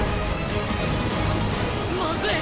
まずい！